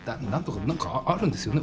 何かあるんですよね